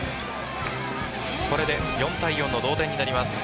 これで４対４の同点になります。